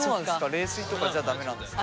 冷水とかじゃ駄目なんですか？